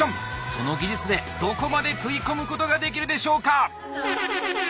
その技術でどこまで食い込むことができるでしょうか！